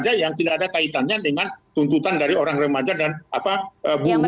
jadi itu tidak ada kaitannya dengan tuntutan dari orang remaja dan apa buru misalnya